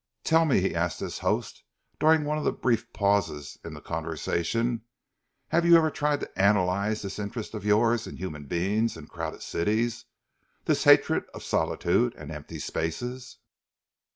"Tell me," he asked his host, during one of the brief pauses in the conversation, "have you ever tried to analyse this interest of yours in human beings and crowded cities, this hatred of solitude and empty spaces?"